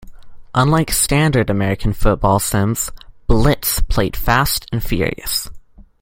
Unlike standard American football sims, "Blitz" played fast and furious.